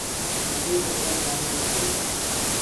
ژوندي د ژوند معنی لټوي